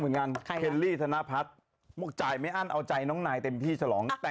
แล้วเราจะเอาอะไรกินกันดีล่ะ